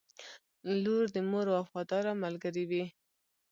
• لور د مور وفاداره ملګرې وي.